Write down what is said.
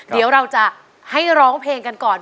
เดี๋ยวเราจะให้ร้องเพลงกันก่อน